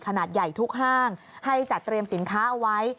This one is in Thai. ขนาดใหญ่ทุกห้างให้จัดเตรียมสินค้าเอาไว้